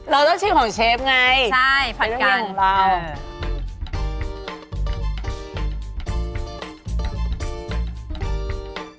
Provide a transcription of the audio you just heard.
เราจะชิมของเชฟไงพัดกันคุยด้วยมึงฟัดกัน